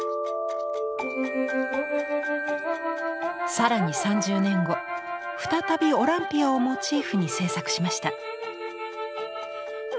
更に３０年後再び「オランピア」をモチーフに制作しました。